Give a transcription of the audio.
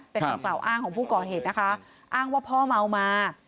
เป็นคำกล่าวอ้างของผู้ก่อเหตุนะคะอ้างว่าพ่อเมามา